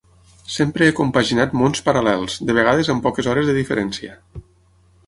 Sempre he compaginat mons paral·lels, de vegades amb poques hores de diferència.